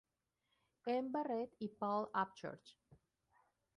M. Barrett y Paul Upchurch.